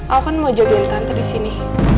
aku kan mau jagain tante disini